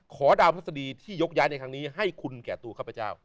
ดาวพฤษฎีที่ยกย้ายในครั้งนี้ให้คุณแก่ตัวข้าพเจ้า